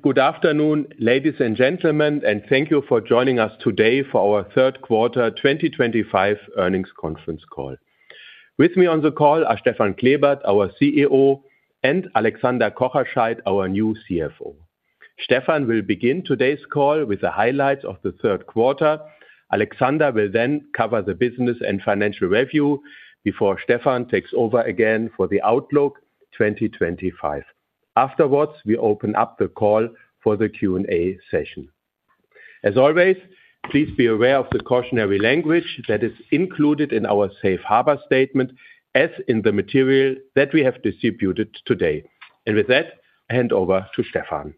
Good afternoon, ladies and gentlemen, and thank you for joining us today for our third quarter 2025 earnings conference call. With me on the call are Stefan Klebert, our CEO, and Alexander Kocherscheidt, our new CFO. Stefan will begin today's call with the highlights of the third quarter. Alexander will then cover the business and financial review before Stefan takes over again for the Outlook 2025. Afterwards, we open up the call for the Q&A session. As always, please be aware of the cautionary language that is included in our safe harbor statement as in the material that we have distributed today. With that, I hand over to Stefan.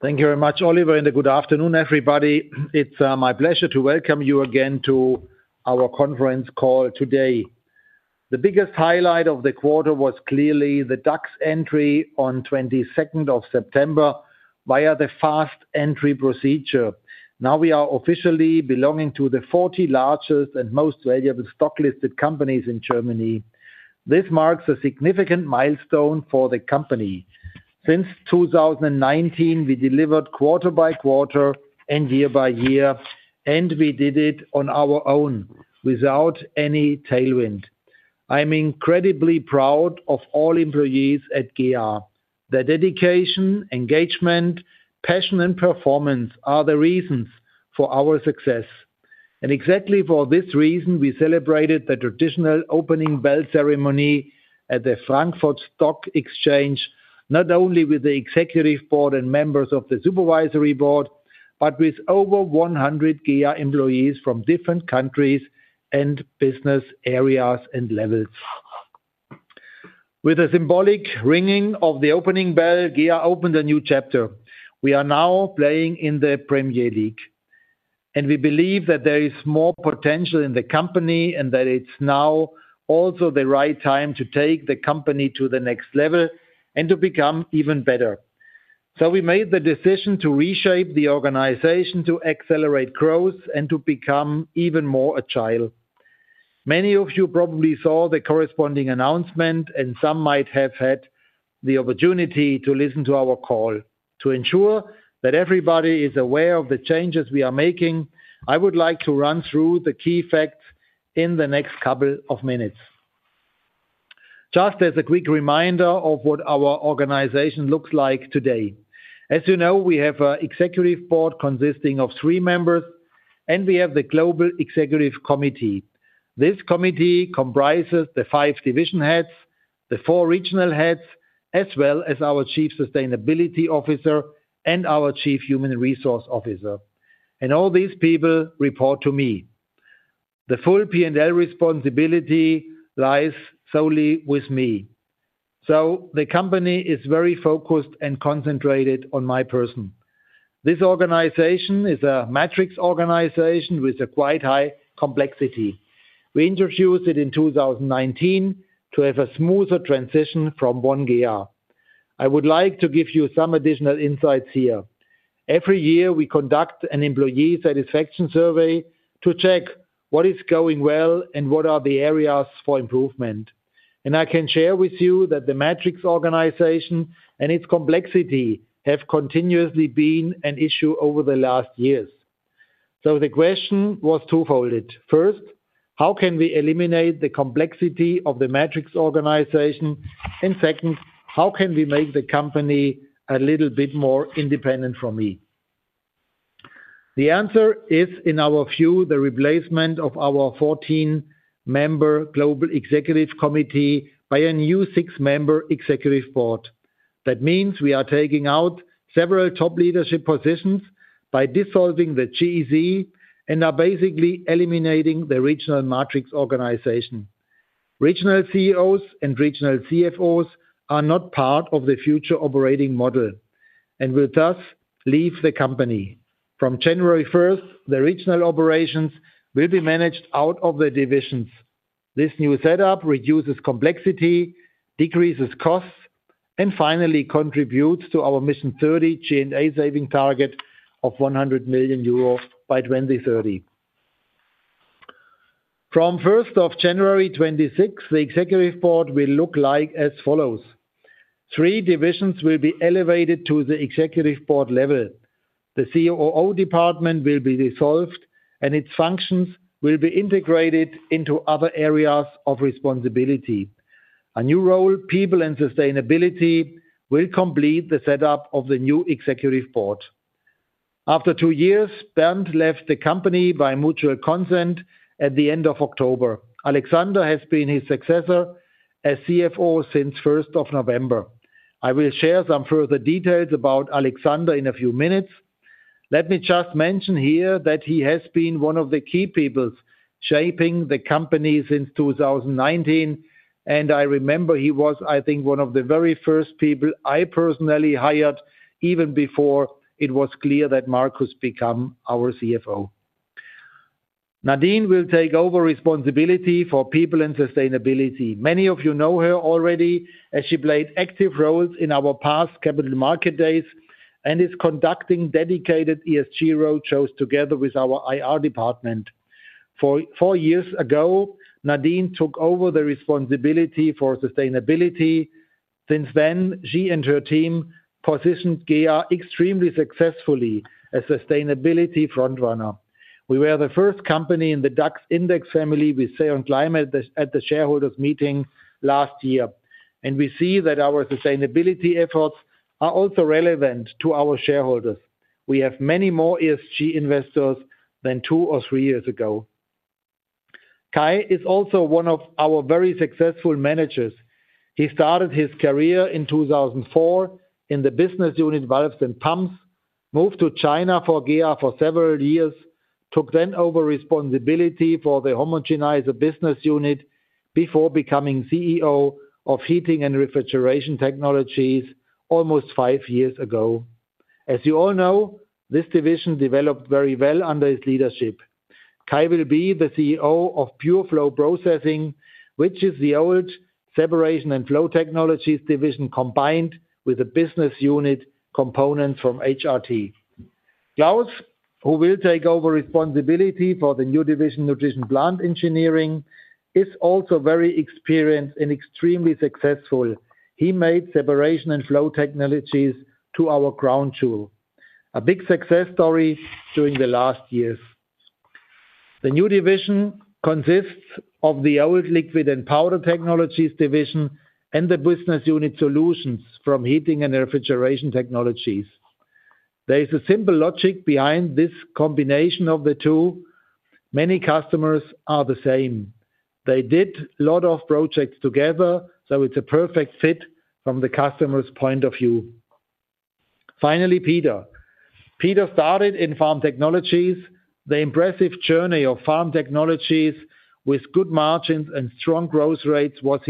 Thank you very much, Oliver, and good afternoon, everybody. It's my pleasure to welcome you again to our conference call today. The biggest highlight of the quarter was clearly the DAX entry on 22nd of September via the fast entry procedure. Now we are officially belonging to the 40 largest and most valuable stock-listed companies in Germany. This marks a significant milestone for the company. Since 2019, we delivered quarter-by-quarter and year-by-year, and we did it on our own without any tailwind. I'm incredibly proud of all employees at GEA. The dedication, engagement, passion, and performance are the reasons for our success. Exactly for this reason, we celebrated the traditional opening bell ceremony at the Frankfurt Stock Exchange, not only with the executive board and members of the supervisory board, but with over 100 GEA employees from different countries and business areas and levels. With the symbolic ringing of the opening bell, GEA opened a new chapter. We are now playing in the Premier League, and we believe that there is more potential in the company and that it's now also the right time to take the company to the next level and to become even better. We made the decision to reshape the organization to accelerate growth and to become even more agile. Many of you probably saw the corresponding announcement, and some might have had the opportunity to listen to our call. To ensure that everybody is aware of the changes we are making, I would like to run through the key facts in the next couple of minutes. Just as a quick reminder of what our organization looks like today. As you know, we have an executive board consisting of three members, and we have the Global Executive Committee. This committee comprises the five division heads, the four regional heads, as well as our Chief Sustainability Officer and our Chief Human Resource Officer. All these people report to me. The full P&L responsibility lies solely with me. The company is very focused and concentrated on my person. This organization is a matrix organization with quite high complexity. We introduced it in 2019 to have a smoother transition from one GEA. I would like to give you some additional insights here. Every year, we conduct an employee satisfaction survey to check what is going well and what are the areas for improvement. I can share with you that the matrix organization and its complexity have continuously been an issue over the last years. The question was twofold. First, how can we eliminate the complexity of the matrix organization? Second, how can we make the company a little bit more independent? For me, the answer is, in our view, the replacement of our 14-member Global Executive Committee by a new six-member executive board. That means we are taking out several top leadership positions by dissolving the GEZ and are basically eliminating the regional matrix organization. Regional CEOs and regional CFOs are not part of the future operating model and will thus leave the company. From January 1, the regional operations will be managed out of the divisions. This new setup reduces complexity, decreases costs, and finally contributes to our Mission 30 G&A saving target of 100 million euro by 2030. From January 1, 2026, the executive board will look as follows. Three divisions will be elevated to the executive board level. The COO department will be dissolved, and its functions will be integrated into other areas of responsibility. A new role, People and Sustainability, will complete the setup of the new executive board. After two years, Bernd left the company by mutual consent at the end of October. Alexander has been his successor as CFO since 1st of November. I will share some further details about Alexander in a few minutes. Let me just mention here that he has been one of the key people shaping the company since 2019, and I remember he was, I think, one of the very first people I personally hired even before it was clear that Marcus become our CFO. Nadine will take over responsibility for People and Sustainability. Many of you know her already as she played active roles in our past capital market days and is conducting dedicated ESG roadshows together with our IR department. Four years ago, Nadine took over the responsibility for sustainability. Since then, she and her team positioned GEA extremely successfully as a sustainability front-runner. We were the first company in the DAX index family with SAON Climate at the shareholders' meeting last year, and we see that our sustainability efforts are also relevant to our shareholders. We have many more ESG investors than two or three years ago. Kai is also one of our very successful managers. He started his career in 2004 in the business unit valves and pumps, moved to China for GEA for several years, took then over responsibility for the homogenizer business unit before becoming CEO of Heating and Refrigeration Technologies almost five years ago. As you all know, this division developed very well under his leadership. Kai will be the CEO of PureFlow Processing, which is the old Separation and Flow Technologies division combined with the business unit components from HRT. Klaus, who will take over responsibility for the new division, Nutrition Plant Engineering, is also very experienced and extremely successful. He made Separation and Flow Technologies to our crown jewel. A big success story during the last years. The new division consists of the old Liquid and Powder Technologies division and the business unit solutions from Heating and Refrigeration Technologies. There is a simple logic behind this combination of the two. Many customers are the same. They did a lot of projects together, so it's a perfect fit from the customer's point of view. Finally, Peter. Peter started in farm technologies. The impressive journey of farm technologies with good margins and strong growth rates was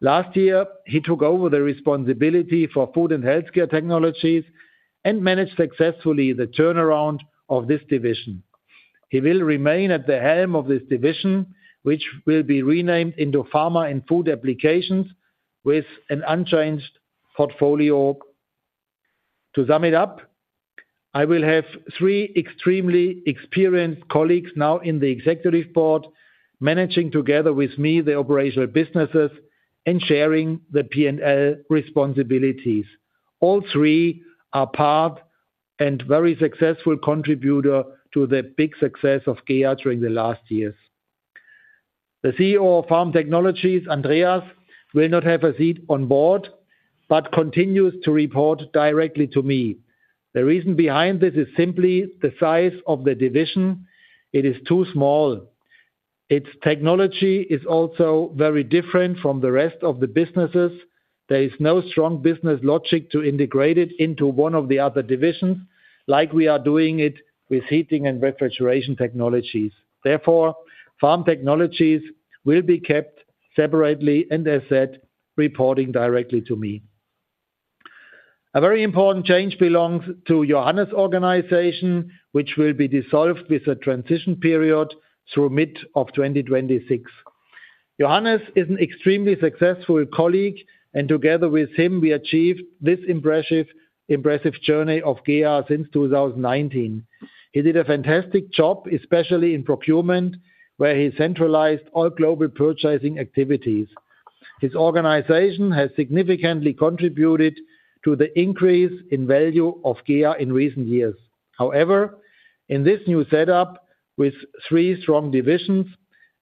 his achievement. Last year, he took over the responsibility for Food and Healthcare Technologies and managed successfully the turnaround of this division. He will remain at the helm of this division, which will be renamed into Pharma and Food Applications with an unchanged portfolio. To sum it up, I will have three extremely experienced colleagues now in the Executive Board managing together with me the operational businesses and sharing the P&L responsibilities. All three are part and very successful contributors to the big success of GEA during the last years. The CEO of Pharma Technologies, Andreas, will not have a seat on board but continues to report directly to me. The reason behind this is simply the size of the division. It is too small. Its technology is also very different from the rest of the businesses. There is no strong business logic to integrate it into one of the other divisions like we are doing it with Heating and Refrigeration Technologies. Therefore, Pharma Technologies will be kept separately and, as said, reporting directly to me. A very important change belongs to Johannes' organization, which will be dissolved with a transition period through mid of 2026. Johannes is an extremely successful colleague, and together with him, we achieved this impressive journey of GEA since 2019. He did a fantastic job, especially in procurement, where he centralized all global purchasing activities. His organization has significantly contributed to the increase in value of GEA in recent years. However, in this new setup with three strong divisions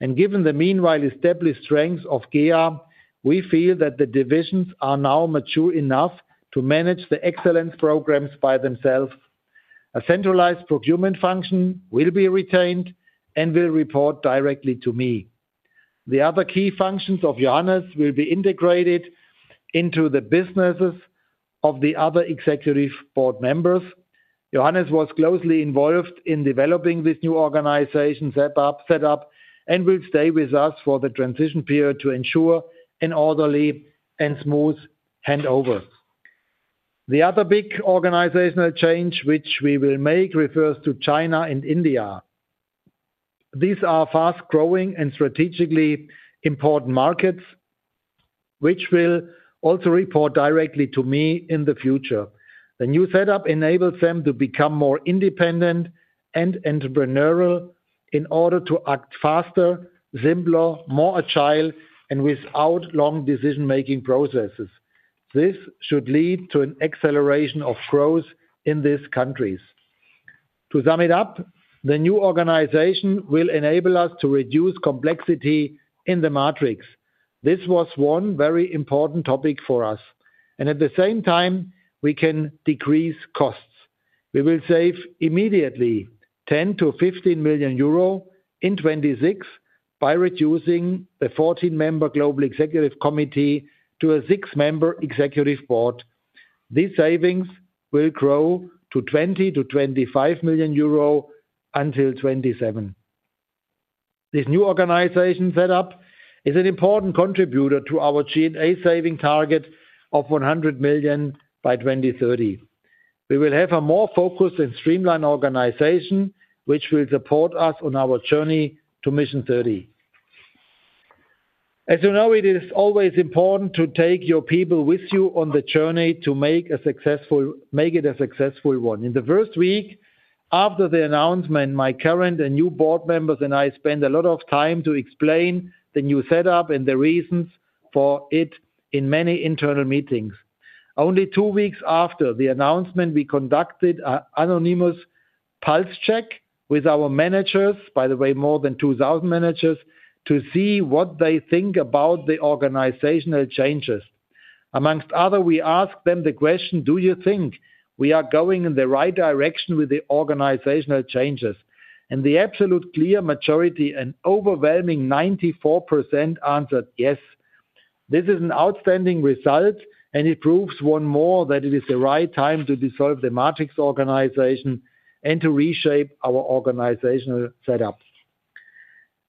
and given the meanwhile established strengths of GEA, we feel that the divisions are now mature enough to manage the excellence programs by themselves. A centralized procurement function will be retained and will report directly to me. The other key functions of Johannes will be integrated into the businesses of the other executive board members. Johannes was closely involved in developing this new organization setup and will stay with us for the transition period to ensure an orderly and smooth handover. The other big organizational change which we will make refers to China and India. These are fast-growing and strategically important markets, which will also report directly to me in the future. The new setup enables them to become more independent and entrepreneurial in order to act faster, simpler, more agile, and without long decision-making processes. This should lead to an acceleration of growth in these countries. To sum it up, the new organization will enable us to reduce complexity in the matrix. This was one very important topic for us. At the same time, we can decrease costs. We will save immediately 10 million-15 million euro in 2026 by reducing the 14-member Global Executive Committee to a six-member executive board. These savings will grow to 20 million-25 million euro until 2027. This new organization setup is an important contributor to our G&A saving target of 100 million by 2030. We will have a more focused and streamlined organization, which will support us on our journey to Mission 30. As you know, it is always important to take your people with you on the journey to make it a successful one. In the first week after the announcement, my current and new board members and I spent a lot of time to explain the new setup and the reasons for it in many internal meetings. Only two weeks after the announcement, we conducted an anonymous pulse check with our managers, by the way, more than 2,000 managers, to see what they think about the organizational changes. Amongst other, we asked them the question, "Do you think we are going in the right direction with the organizational changes?" The absolute clear majority, an overwhelming 94%, answered yes. This is an outstanding result, and it proves once more that it is the right time to dissolve the matrix organization and to reshape our organizational setup.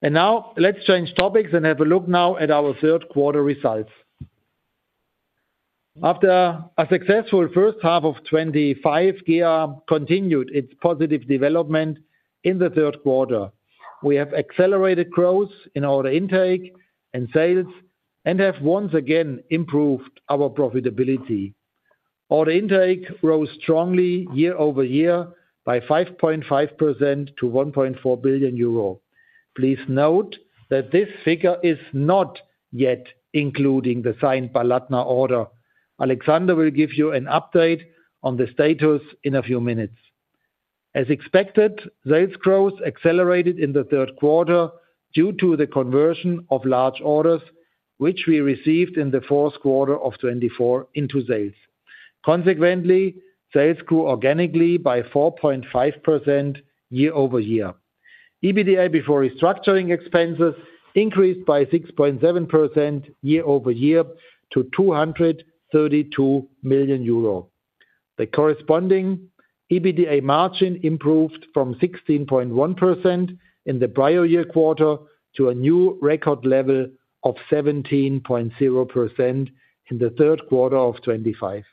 Now let's change topics and have a look now at our third-quarter results. After a successful first half of 2025, GEA continued its positive development in the third quarter. We have accelerated growth in order intake and sales and have once again improved our profitability. Order intake rose strongly year-over-year by 5.5% to 1.4 billion euro. Please note that this figure is not yet including the signed Balatna order. Alexander will give you an update on the status in a few minutes. As expected, sales growth accelerated in the third quarter due to the conversion of large orders, which we received in the fourth quarter of 2024 into sales. Consequently, sales grew organically by 4.5% year-over-year. EBITDA before restructuring expenses increased by 6.7% year-over-year to 232 million euro. The corresponding EBITDA margin improved from 16.1% in the prior year quarter to a new record level of 17.0% in the third quarter of 2025.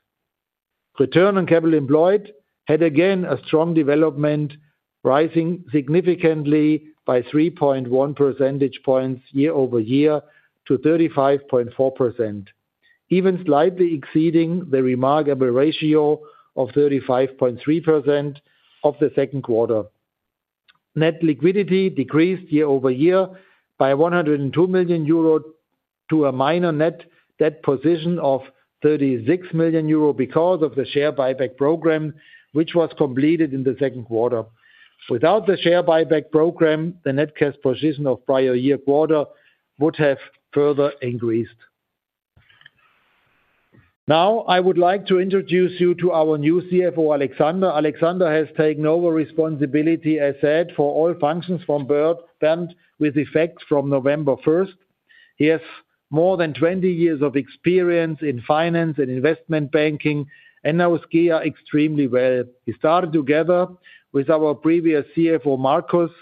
Return on capital employed had again a strong development, rising significantly by 3.1 percentage points year-overyear to 35.4%, even slightly exceeding the remarkable ratio of 35.3% of the second quarter. Net liquidity decreased year-over-year by 102 million euro to a minor net debt position of 36 million euro because of the share buyback program, which was completed in the second quarter. Without the share buyback program, the net cash position of prior year quarter would have further increased. Now, I would like to introduce you to our new CFO, Alexander. Alexander has taken over responsibility, as said, for all functions from Bernd with effect from November 1st. He has more than 20 years of experience in finance and investment banking and knows GEA extremely well. He started together with our previous CFO, Marcus,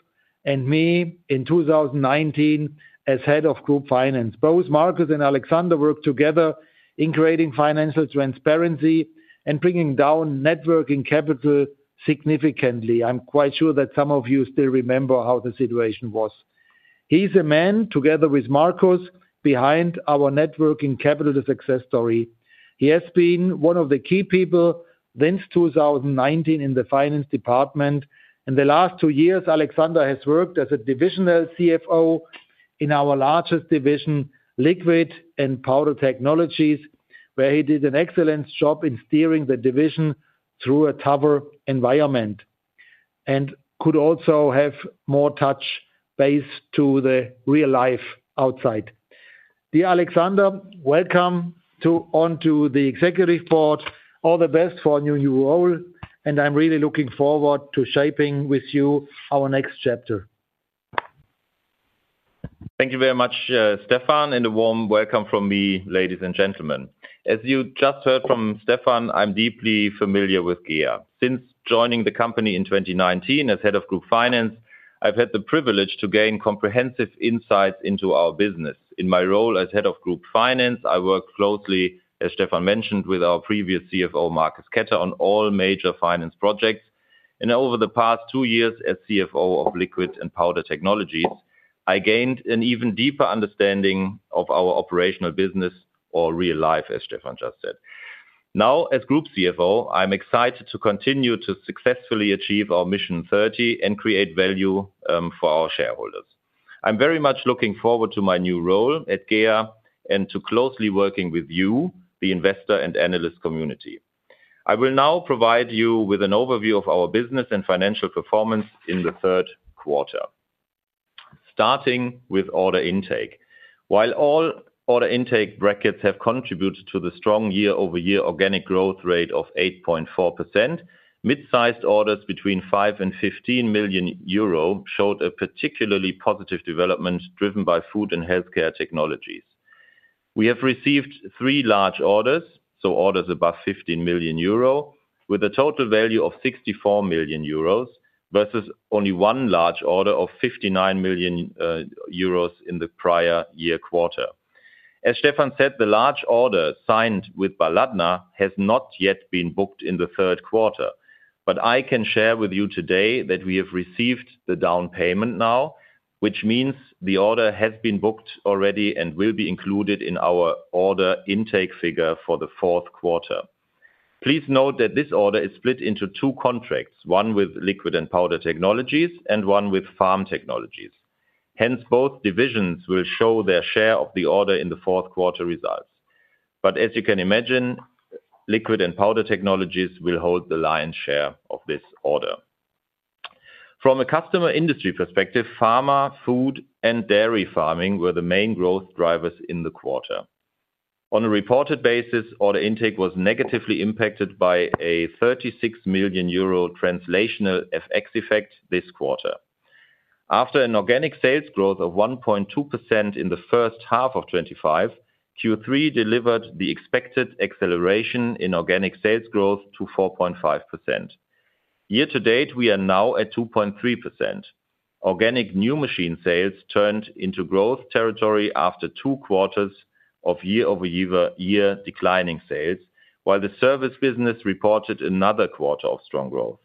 and me in 2019 as head of Group Finance. Both Marcus and Alexander worked together in creating financial transparency and bringing down networking capital significantly. I'm quite sure that some of you still remember how the situation was. He's a man, together with Marcus, behind our networking capital success story. He has been one of the key people since 2019 in the finance department. In the last two years, Alexander has worked as a divisional CFO in our largest division, Liquid and Powder Technologies, where he did an excellent job in steering the division through a tougher environment and could also have more touch base to the real life outside. Dear Alexander, welcome onto the Executive Board. All the best for a new role, and I'm really looking forward to shaping with you our next chapter. Thank you very much, Stefan, and a warm welcome from me, ladies and gentlemen. As you just heard from Stefan, I'm deeply familiar with GEA. Since joining the company in 2019 as Head of Group Finance, I've had the privilege to gain comprehensive insights into our business. In my role as Head of Group Finance, I worked closely, as Stefan mentioned, with our previous CFO, Marcus Ketter, on all major finance projects. Over the past two years as CFO of Liquid and Powder Technologies, I gained an even deeper understanding of our operational business or real life, as Stefan just said. Now, as Group CFO, I'm excited to continue to successfully achieve our Mission 30 and create value for our shareholders. I'm very much looking forward to my new role at GEA and to closely working with you, the investor and analyst community. I will now provide you with an overview of our business and financial performance in the third quarter, starting with order intake. While all order intake brackets have contributed to the strong year-over-year organic growth rate of 8.4%, mid-sized orders between 5 million and 15 million euro showed a particularly positive development driven by Food and Healthcare Technologies. We have received three large orders, so orders above 15 million euro, with a total value of 64 million euros versus only one large order of 59 million euros in the prior year quarter. As Stefan said, the large order signed with Balatna has not yet been booked in the third quarter, but I can share with you today that we have received the down payment now, which means the order has been booked already and will be included in our order intake figure for the fourth quarter. Please note that this order is split into two contracts, one with Liquid and Powder Technologies and one with Pharma Technologies. Hence, both divisions will show their share of the order in the fourth quarter results. As you can imagine, Liquid and Powder Technologies will hold the lion's share of this order. From a customer industry perspective, pharma, food, and dairy farming were the main growth drivers in the quarter. On a reported basis, order intake was negatively impacted by a 36 million euro translational FX effect this quarter. After an organic sales growth of 1.2% in the first half of 2025, Q3 delivered the expected acceleration in organic sales growth to 4.5%. Year to date, we are now at 2.3%. Organic new machine sales turned into growth territory after two quarters of year-over-year declining sales, while the service business reported another quarter of strong growth.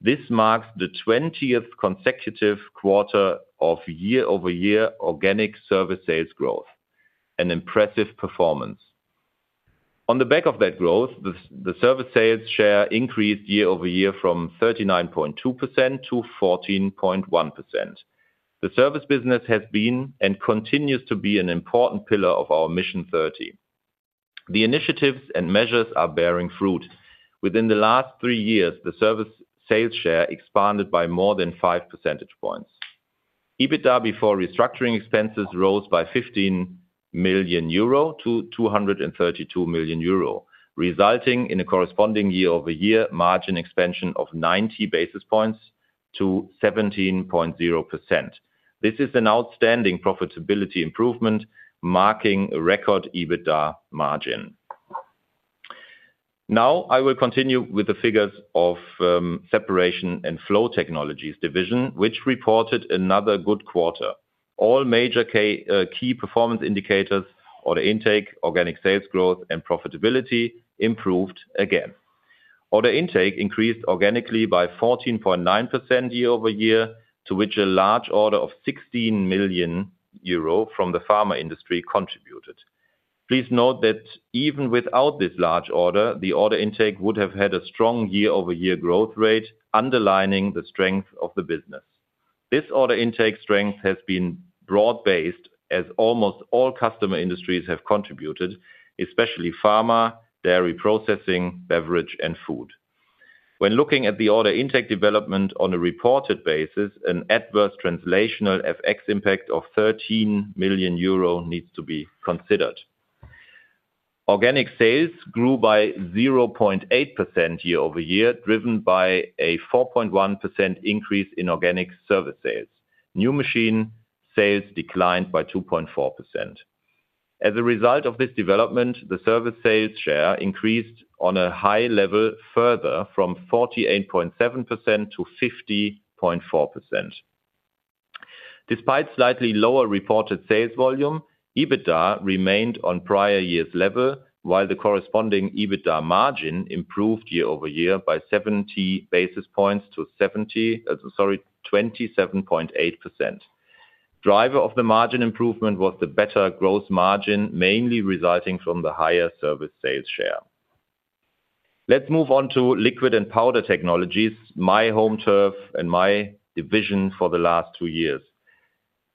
This marks the 20th consecutive quarter of year-over-year organic service sales growth, an impressive performance. On the back of that growth, the service sales share increased year-over-year from 39.2% to 41.1%. The service business has been and continues to be an important pillar of our Mission 30. The initiatives and measures are bearing fruit. Within the last three years, the service sales share expanded by more than 5 percentage points. EBITDA before restructuring expenses rose by 15 million euro to 232 million euro, resulting in a corresponding year-over-year margin expansion of 90 basis points to 17.0%. This is an outstanding profitability improvement, marking a record EBITDA margin. Now, I will continue with the figures of Separation and Flow Technologies division, which reported another good quarter. All major key performance indicators, order intake, organic sales growth, and profitability improved again. Order intake increased organically by 14.9% year-over-year, to which a large order of 16 million euro from the pharma industry contributed. Please note that even without this large order, the order intake would have had a strong year-over-year growth rate underlining the strength of the business. This order intake strength has been broad-based, as almost all customer industries have contributed, especially pharma, dairy processing, beverage, and food. When looking at the order intake development on a reported basis, an adverse translational FX impact of 13 million euro needs to be considered. Organic sales grew by 0.8% year-over-year, driven by a 4.1% increase in organic service sales. New machine sales declined by 2.4%. As a result of this development, the service sales share increased on a high level further from 48.7% to 50.4%. Despite slightly lower reported sales volume, EBITDA remained on prior year's level, while the corresponding EBITDA margin improved year-over-year by 70 basis points to 27.8%. Driver of the margin improvement was the better gross margin, mainly resulting from the higher service sales share. Let's move on to Liquid and Powder Technologies, my home turf and my division for the last two years.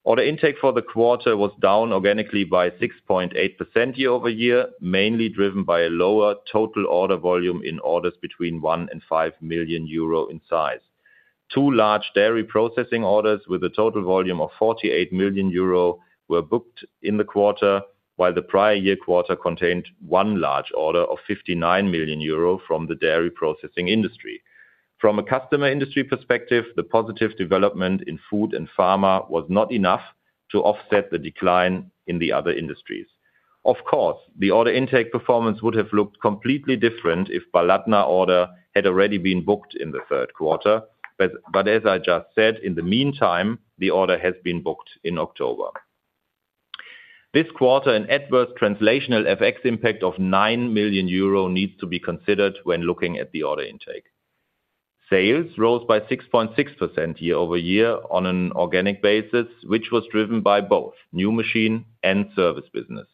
Order intake for the quarter was down organically by 6.8% year-over-year, mainly driven by a lower total order volume in orders between 1 million and 5 million euro in size. Two large dairy processing orders with a total volume of 48 million euro were booked in the quarter, while the prior year quarter contained one large order of 59 million euro from the dairy processing industry. From a customer industry perspective, the positive development in food and pharma was not enough to offset the decline in the other industries. Of course, the order intake performance would have looked completely different if the Balatna order had already been booked in the third quarter, but as I just said, in the meantime, the order has been booked in October. This quarter, an adverse translational FX impact of 9 million euro needs to be considered when looking at the order intake. Sales rose by 6.6% year-over-year on an organic basis, which was driven by both new machine and service business.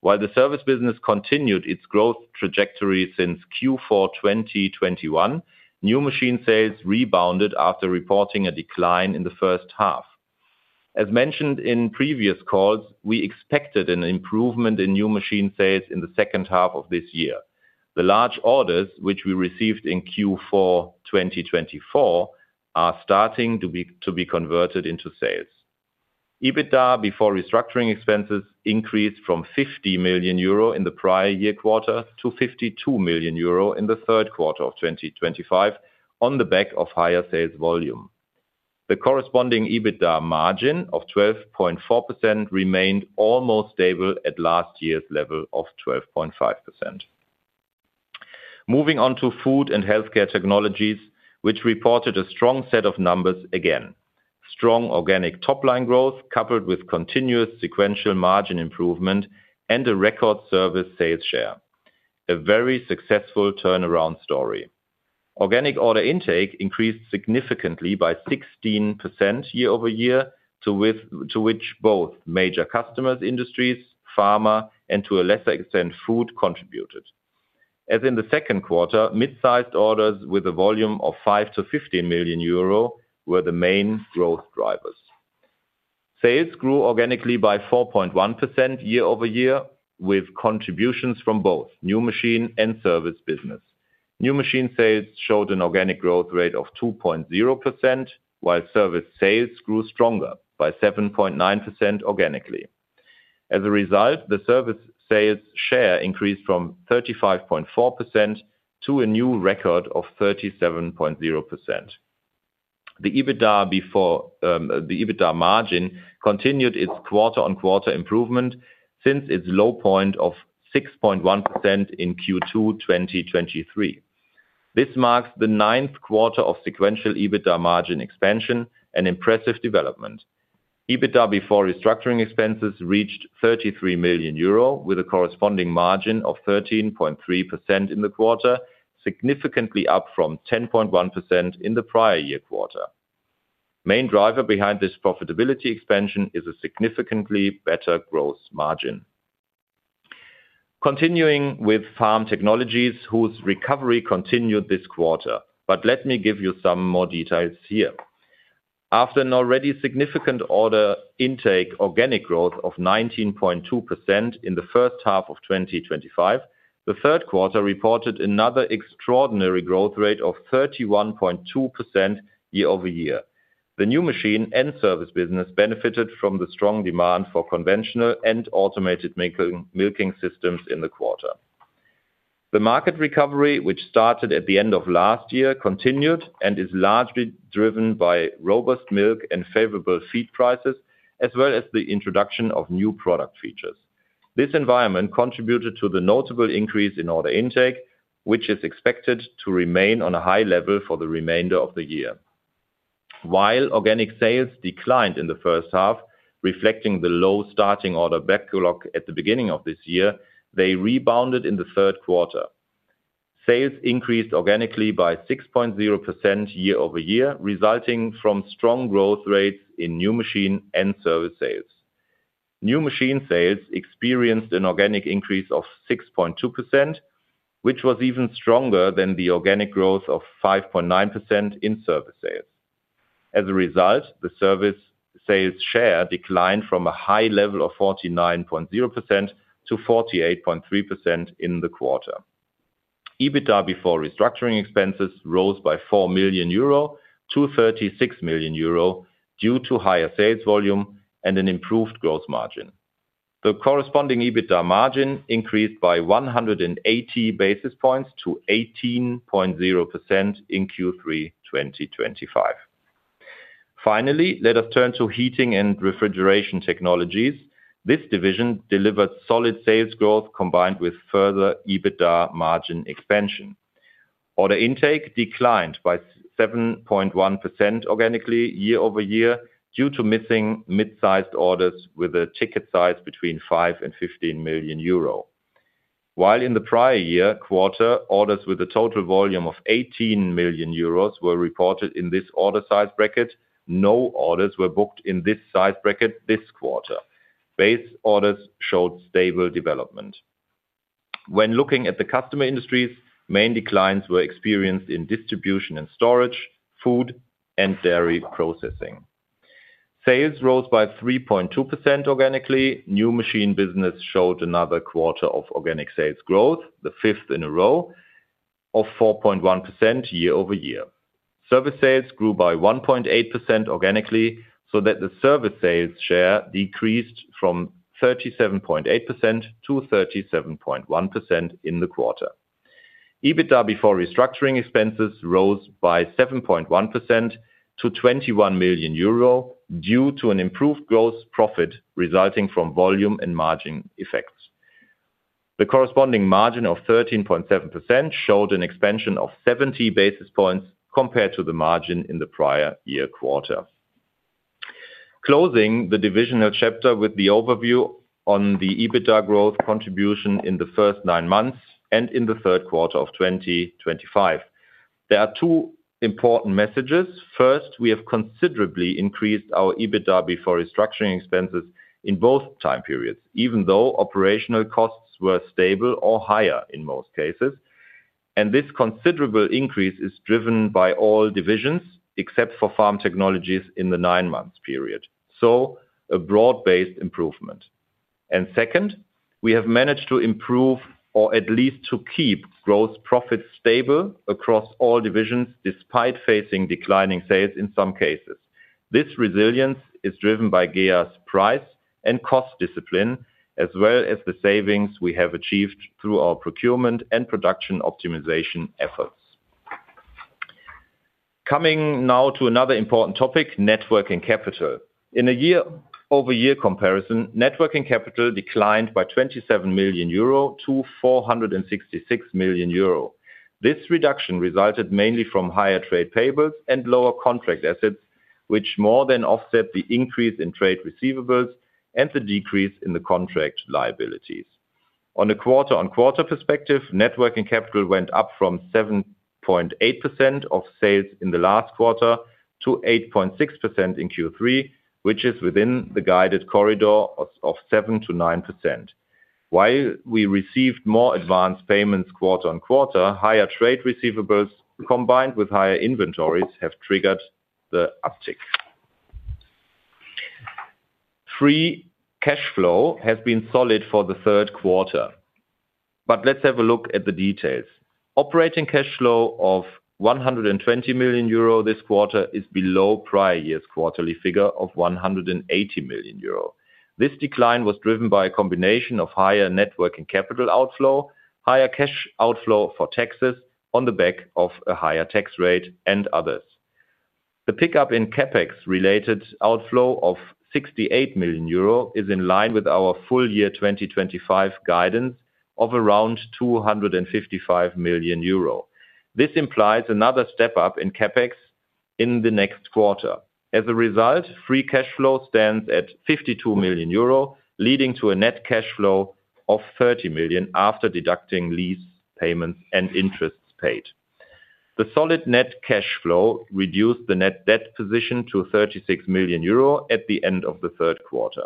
While the service business continued its growth trajectory since Q4 2021, new machine sales rebounded after reporting a decline in the first half. As mentioned in previous calls, we expected an improvement in new machine sales in the second half of this year. The large orders which we received in Q4 2024 are starting to be converted into sales. EBITDA before restructuring expenses increased from 50 million euro in the prior year quarter to 52 million euro in the third quarter of 2025 on the back of higher sales volume. The corresponding EBITDA margin of 12.4% remained almost stable at last year's level of 12.5%. Moving on to Food and Healthcare Technologies, which reported a strong set of numbers again. Strong organic top-line growth coupled with continuous sequential margin improvement and a record service sales share. A very successful turnaround story. Organic order intake increased significantly by 16% year-over-year, to which both major customer industries, pharma, and to a lesser extent food contributed. As in the second quarter, mid-sized orders with a volume of 5 million-15 million euro were the main growth drivers. Sales grew organically by 4.1% year-over-year with contributions from both new machine and service business. New machine sales showed an organic growth rate of 2.0%, while service sales grew stronger by 7.9% organically. As a result, the service sales share increased from 35.4% to a new record of 37.0%. The EBITDA margin continued its quarter-on-quarter improvement since its low point of 6.1% in Q2 2023. This marks the ninth quarter of sequential EBITDA margin expansion, an impressive development. EBITDA before restructuring expenses reached 33 million euro with a corresponding margin of 13.3% in the quarter, significantly up from 10.1% in the prior year quarter. Main driver behind this profitability expansion is a significantly better growth margin. Continuing with Pharma Technologies, whose recovery continued this quarter, but let me give you some more details here. After an already significant order intake organic growth of 19.2% in the first half of 2025, the third quarter reported another extraordinary growth rate of 31.2% year-over-year. The new machine and service business benefited from the strong demand for conventional and automated milking systems in the quarter. The market recovery, which started at the end of last year, continued and is largely driven by robust milk and favorable feed prices, as well as the introduction of new product features. This environment contributed to the notable increase in order intake, which is expected to remain on a high level for the remainder of the year. While organic sales declined in the first half, reflecting the low starting order backlog at the beginning of this year, they rebounded in the third quarter. Sales increased organically by 6.0% year-over-year, resulting from strong growth rates in new machine and service sales. New machine sales experienced an organic increase of 6.2%, which was even stronger than the organic growth of 5.9% in service sales. As a result, the service sales share declined from a high level of 49.0% to 48.3% in the quarter. EBITDA before restructuring expenses rose by 4 million euro to 36 million euro due to higher sales volume and an improved gross margin. The corresponding EBITDA margin increased by 180 basis points to 18.0% in Q3 2025. Finally, let us turn to Heating and Refrigeration Technologies. This division delivered solid sales growth combined with further EBITDA margin expansion. Order intake declined by 7.1% organically year-over-year due to missing mid-sized orders with a ticket size between 5 million-15 million euro. While in the prior year quarter, orders with a total volume of 18 million euros were reported in this order size bracket, no orders were booked in this size bracket this quarter. Base orders showed stable development. When looking at the customer industries, main declines were experienced in distribution and storage, food, and dairy processing. Sales rose by 3.2% organically. New machine business showed another quarter of organic sales growth, the fifth in a row, of 4.1% year-over-year. Service sales grew by 1.8% organically, so that the service sales share decreased from 37.8% to 37.1% in the quarter. EBITDA before restructuring expenses rose by 7.1% to 21 million euro due to an improved gross profit resulting from volume and margin effects. The corresponding margin of 13.7% showed an expansion of 70 basis points compared to the margin in the prior year quarter. Closing the divisional chapter with the overview on the EBITDA growth contribution in the first nine months and in the third quarter of 2025. There are two important messages. First, we have considerably increased our EBITDA before restructuring expenses in both time periods, even though operational costs were stable or higher in most cases. This considerable increase is driven by all divisions except for Pharma Technologies in the nine-month period. A broad-based improvement. Second, we have managed to improve or at least to keep gross profits stable across all divisions despite facing declining sales in some cases. This resilience is driven by GEA's price and cost discipline, as well as the savings we have achieved through our procurement and production optimization efforts. Coming now to another important topic, net working capital. In a year-over-year comparison, net working capital declined by 27 million euro to 466 million euro. This reduction resulted mainly from higher trade payables and lower contract assets, which more than offset the increase in trade receivables and the decrease in the contract liabilities. On a quarter-on-quarter perspective, net working capital went up from 7.8% of sales in the last quarter to 8.6% in Q3, which is within the guided corridor of 7%-9%. While we received more advanced payments quarter-on-quarter, higher trade receivables combined with higher inventories have triggered the uptick. Free cash flow has been solid for the third quarter, but let's have a look at the details. Operating cash flow of 120 million euro this quarter is below prior year's quarterly figure of 180 million euro. This decline was driven by a combination of higher net working capital outflow, higher cash outflow for taxes on the back of a higher tax rate, and others. The pickup in CapEx-related outflow of 68 million euro is in line with our full year 2025 guidance of around 255 million euro. This implies another step up in CapEx in the next quarter. As a result, free cash flow stands at 52 million euro, leading to a net cash flow of 30 million after deducting lease payments and interests paid. The solid net cash flow reduced the net debt position to 36 million euro at the end of the third quarter.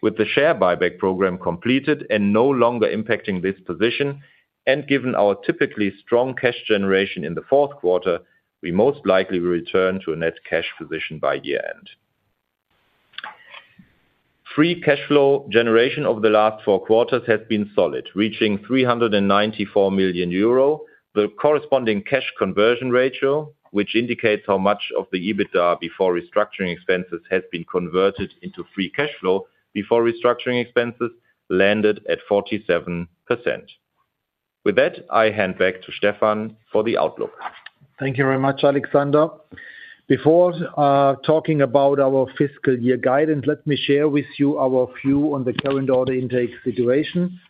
With the share buyback program completed and no longer impacting this position, and given our typically strong cash generation in the fourth quarter, we most likely will return to a net cash position by year-end. Free cash flow generation over the last four quarters has been solid, reaching 394 million euro. The corresponding cash conversion ratio, which indicates how much of the EBITDA before restructuring expenses has been converted into free cash flow before restructuring expenses, landed at 47%. With that, I hand back to Stefan for the outlook. Thank you very much, Alexander. Before talking about our fiscal year guidance, let me share with you our view on the current order intake situation.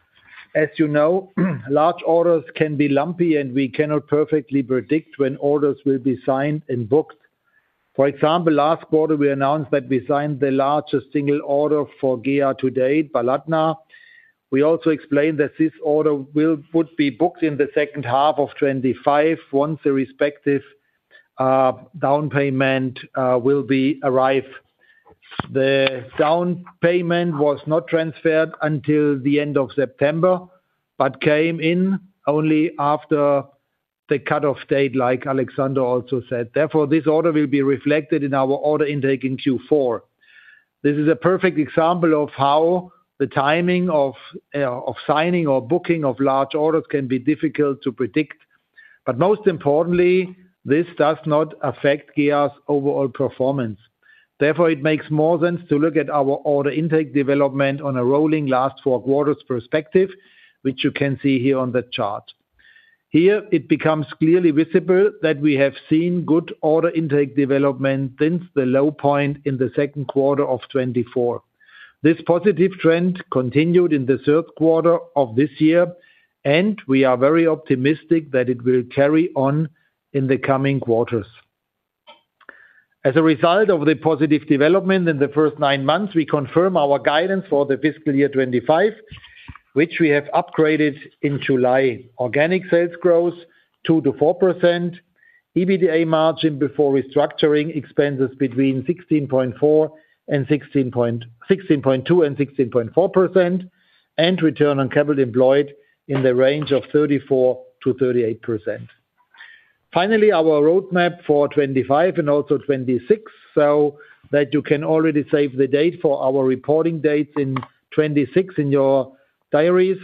As you know, large orders can be lumpy, and we cannot perfectly predict when orders will be signed and booked. For example, last quarter, we announced that we signed the largest single order for GEA to date, Balatna. We also explained that this order would be booked in the second half of 2025 once the respective down payment will arrive. The down payment was not transferred until the end of September but came in only after the cut-off date, like Alexander also said. Therefore, this order will be reflected in our order intake in Q4. This is a perfect example of how the timing of signing or booking of large orders can be difficult to predict. Most importantly, this does not affect GEA's overall performance. Therefore, it makes more sense to look at our order intake development on a rolling last four quarters perspective, which you can see here on the chart. Here, it becomes clearly visible that we have seen good order intake development since the low point in the second quarter of 2024. This positive trend continued in the third quarter of this year, and we are very optimistic that it will carry on in the coming quarters. As a result of the positive development in the first nine months, we confirm our guidance for the fiscal year 2025, which we have upgraded in July. Organic sales growth 2%-4%, EBITDA margin before restructuring expenses between 16.2%-16.4%, and return on capital employed in the range of 34%-38%. Finally, our roadmap for 2025 and also 2026, so that you can already save the date for our reporting dates in 2026 in your diaries.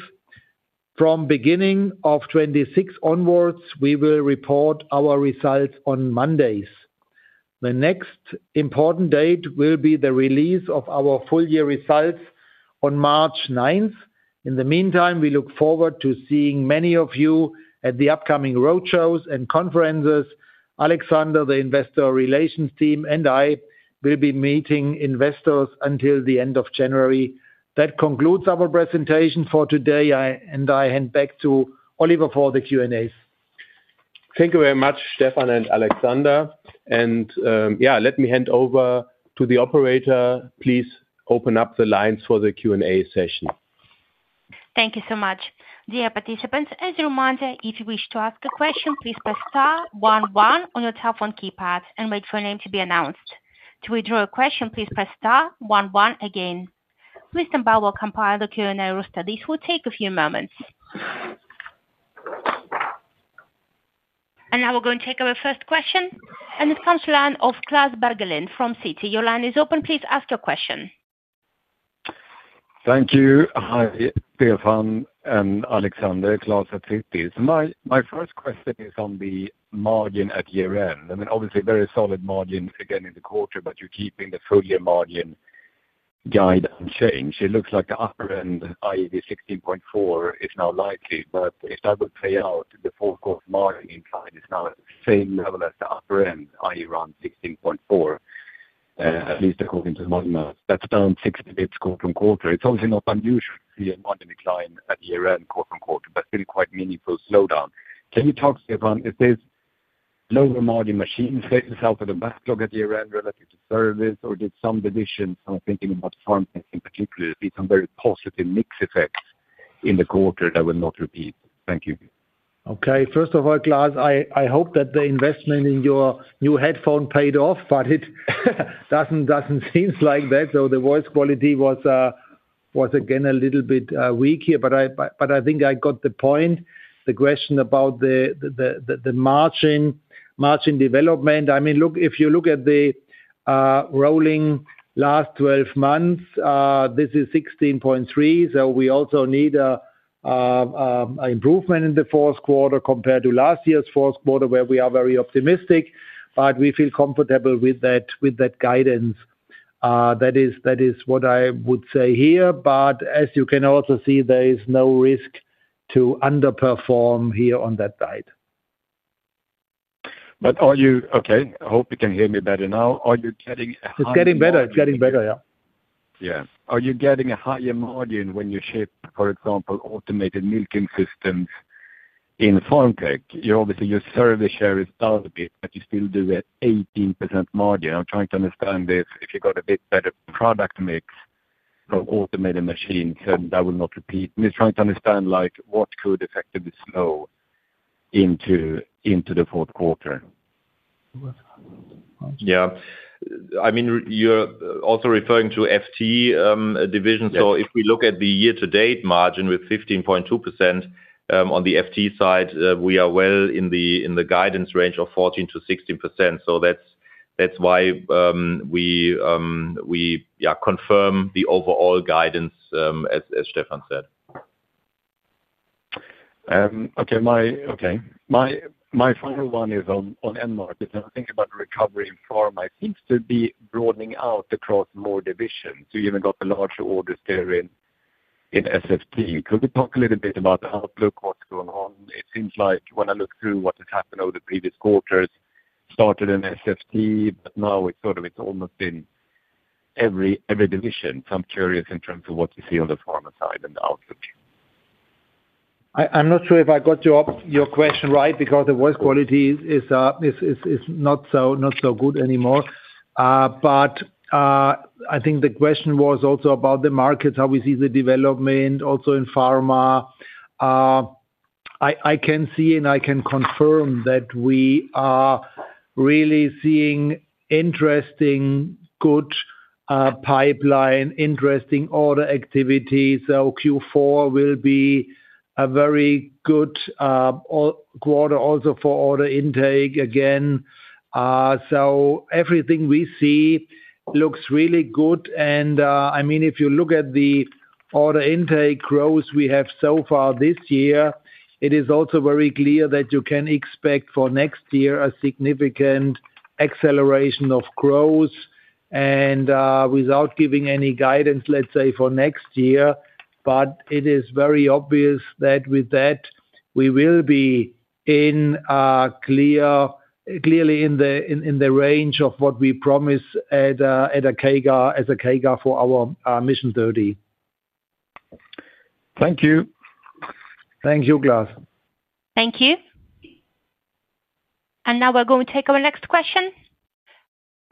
From beginning of 2026 onwards, we will report our results on Mondays. The next important date will be the release of our full year results on March 9th. In the meantime, we look forward to seeing many of you at the upcoming roadshows and conferences. Alexander, the Investor Relations team, and I will be meeting investors until the end of January. That concludes our presentation for today, and I hand back to Oliver for the Q&As. Thank you very much, Stefan and Alexander. Yeah, let me hand over to the operator. Please open up the lines for the Q&A session. Thank you so much. Dear participants, as a reminder, if you wish to ask a question, please press star one one on your telephone keypad and wait for your name to be announced. To withdraw a question, please press star one one again. Mr. Bell, we'll compile the Q&A roster. This will take a few moments. Now we're going to take our first question, and it comes from the line of Klas Bergelind from Citi. Your line is open. Please ask your question. Thank you. Hi, Stefan and Alexander, Klas at Citi. My first question is on the margin at year-end. I mean, obviously, very solid margin again in the quarter, but you're keeping the full year margin guidance change. It looks like the upper end, i.e., the 16.4%, is now likely, but if that would play out, the forecast margin decline is now at the same level as the upper end, i.e., around 16.4%, at least according to the month. That's down 60 basis points quarter on quarter. It's obviously not unusual to see a margin decline at year-end quarter on quarter, but still quite meaningful slowdown. Can you talk, Stefan, if this lower margin machine sets itself at a backlog at year-end relative to service, or did some decisions, thinking about pharmaceuticals in particular, be some very positive mix effects in the quarter that will not repeat? Thank you. Okay. First of all, Klas, I hope that the investment in your new headphone paid off, but it doesn't seem like that. So the voice quality was again a little bit weak here, but I think I got the point. The question about the margin development, I mean, look, if you look at the rolling last 12 months, this is 16.3%. We also need an improvement in the fourth quarter compared to last year's fourth quarter, where we are very optimistic, but we feel comfortable with that guidance. That is what I would say here. As you can also see, there is no risk to underperform here on that guide. Are you okay? I hope you can hear me better now. Are you getting a higher margin? It's getting better. It's getting better, yeah. Yeah. Are you getting a higher margin when you ship, for example, automated milking systems in Fantech? Obviously, your service share is down a bit, but you still do it at 18% margin. I'm trying to understand if you've got a bit better product mix for automated machines, and that will not repeat. I'm just trying to understand what could effectively slow into the fourth quarter. Yeah. I mean, you're also referring to FT division. If we look at the year-to-date margin with 15.2% on the FT side, we are well in the guidance range of 14%-16%. That's why we confirm the overall guidance, as Stefan said. Okay. My final one is on end markets. I'm thinking about the recovery in pharma. It seems to be broadening out across more divisions. You even got the larger orders there in SFT. Could we talk a little bit about the outlook, what's going on? It seems like when I look through what has happened over the previous quarters, started in SFT, but now it's almost in every division. I'm curious in terms of what you see on the pharma side and the outlook. I'm not sure if I got your question right because the voice quality is not so good anymore. I think the question was also about the markets, how we see the development also in pharma. I can see and I can confirm that we are really seeing interesting good pipeline, interesting order activity. Q4 will be a very good quarter also for order intake again. Everything we see looks really good. I mean, if you look at the order intake growth we have so far this year, it is also very clear that you can expect for next year a significant acceleration of growth. Without giving any guidance, let's say for next year, it is very obvious that with that, we will be clearly in the range of what we promised as a KEGA for our Mission 30. Thank you. Thank you, Klas. Thank you. Now we're going to take our next question.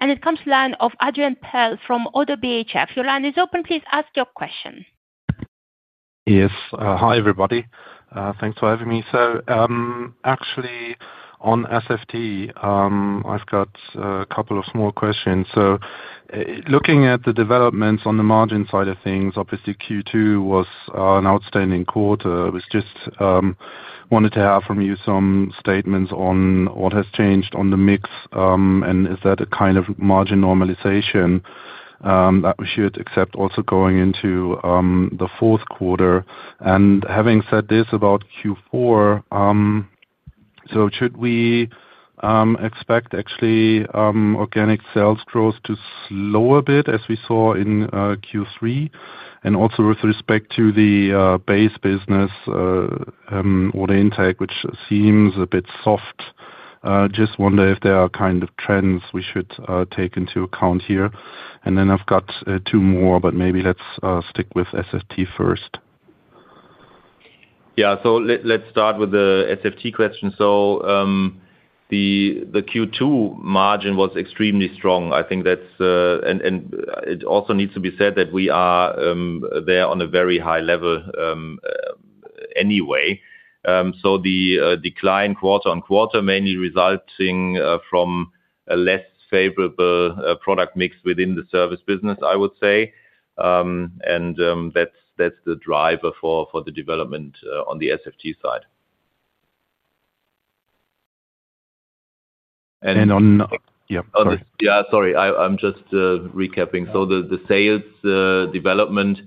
It comes to the line of Adrian Pehl from ODDO BHF. Your line is open. Please ask your question. Yes. Hi, everybody. Thanks for having me. Actually, on SFT, I've got a couple of small questions. Looking at the developments on the margin side of things, obviously, Q2 was an outstanding quarter. I just wanted to have from you some statements on what has changed on the mix and is that a kind of margin normalization that we should accept also going into the fourth quarter? Having said this about Q4, should we expect actually organic sales growth to slow a bit as we saw in Q3? Also with respect to the base business order intake, which seems a bit soft, just wonder if there are kind of trends we should take into account here. I have two more, but maybe let's stick with SFT first. Yeah. Let's start with the SFT question. The Q2 margin was extremely strong. I think that's, and it also needs to be said that we are there on a very high level anyway. The decline quarter on quarter mainly resulting from a less favorable product mix within the service business, I would say. That's the driver for the development on the SFT side. Sorry. I'm just recapping. The sales development,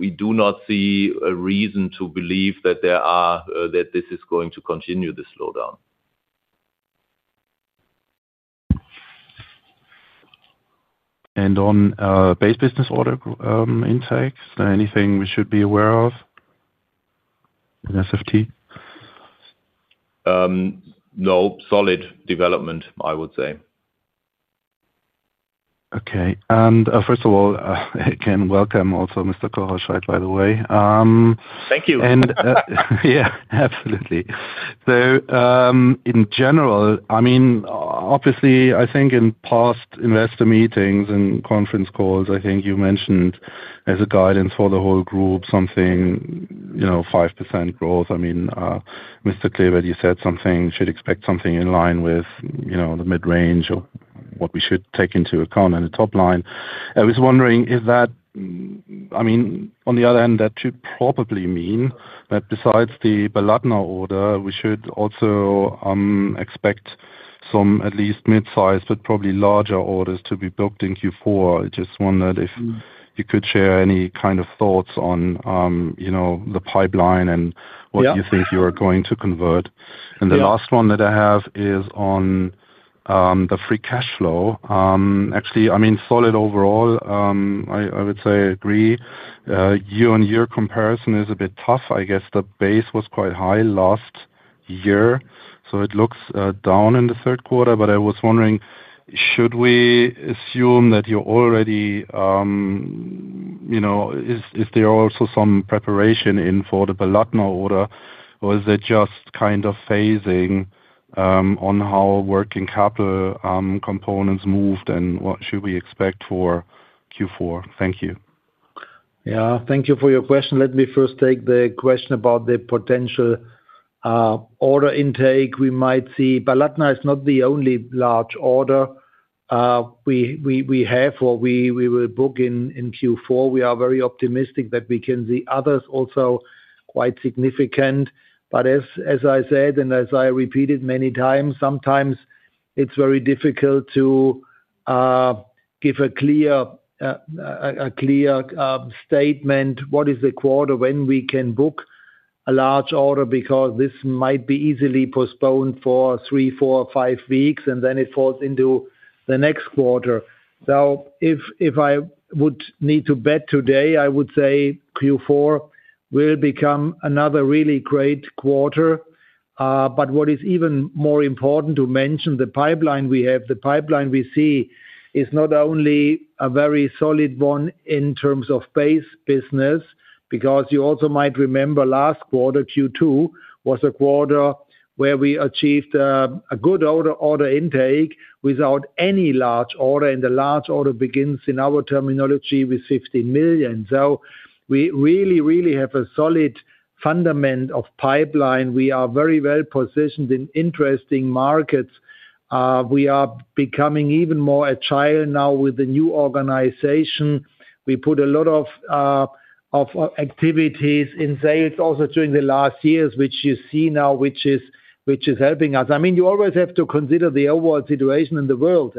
we do not see a reason to believe that this is going to continue to slow down. On base business order intake, is there anything we should be aware of in SFT? No. Solid development, I would say. Okay. First of all, again, welcome also, Mr. Kocherscheidt, by the way. Thank you. Yeah. Absolutely. In general, I mean, obviously, I think in past investor meetings and conference calls, I think you mentioned as a guidance for the whole group, something 5% growth. I mean, Mr. Klebert, you said something should expect something in line with the mid-range of what we should take into account on the top line. I was wondering, is that, I mean, on the other hand, that should probably mean that besides the Balatna order, we should also expect some at least mid-size, but probably larger orders to be booked in Q4. I just wondered if you could share any kind of thoughts on the pipeline and what you think you are going to convert. The last one that I have is on the free cash flow. Actually, I mean, solid overall. I would say agree. Year-on-year comparison is a bit tough. I guess the base was quite high last year. It looks down in the third quarter. I was wondering, should we assume that you're already, is there also some preparation in for the Balatna order, or is it just kind of phasing on how working capital components moved, and what should we expect for Q4? Thank you. Yeah. Thank you for your question. Let me first take the question about the potential order intake we might see. Balatna is not the only large order we have or we will book in Q4. We are very optimistic that we can see others also quite significant. As I said, and as I repeated many times, sometimes it's very difficult to give a clear statement what is the quarter when we can book a large order because this might be easily postponed for three, four, or five weeks, and then it falls into the next quarter. If I would need to bet today, I would say Q4 will become another really great quarter. What is even more important to mention, the pipeline we have, the pipeline we see is not only a very solid one in terms of base business because you also might remember last quarter, Q2 was a quarter where we achieved a good order intake without any large order, and the large order begins in our terminology with 15 million. We really, really have a solid fundament of pipeline. We are very well positioned in interesting markets. We are becoming even more agile now with the new organization. We put a lot of activities in sales also during the last years, which you see now, which is helping us. I mean, you always have to consider the overall situation in the world.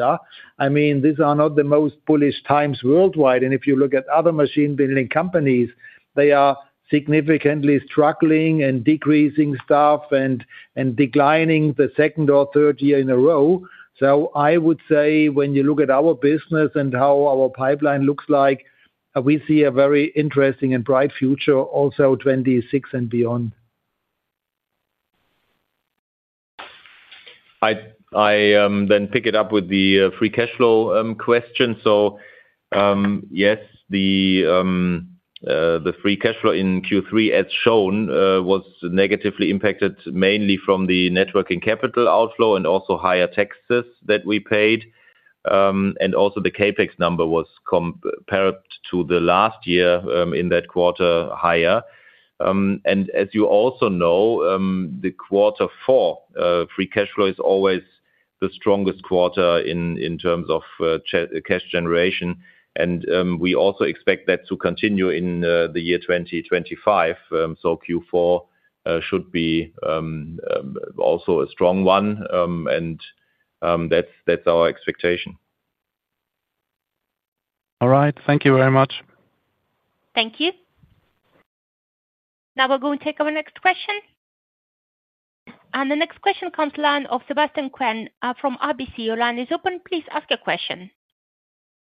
I mean, these are not the most bullish times worldwide. If you look at other machine-building companies, they are significantly struggling and decreasing staff and declining the second or third year in a row. I would say when you look at our business and how our pipeline looks like, we see a very interesting and bright future also 2026 and beyond. I then pick it up with the free cash flow question. Yes, the free cash flow in Q3, as shown, was negatively impacted mainly from the net working capital outflow and also higher taxes that we paid. Also, the CapEx number was, compared to last year in that quarter, higher. As you also know, the quarter four free cash flow is always the strongest quarter in terms of cash generation. We also expect that to continue in the year 2025. Q4 should be also a strong one, and that is our expectation. All right. Thank you very much. Thank you. Now we are going to take our next question. The next question comes to the line of Sebastian Quenn from RBC. Your line is open. Please ask your question.